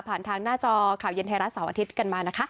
ทางหน้าจอข่าวเย็นไทยรัฐเสาร์อาทิตย์กันมานะคะ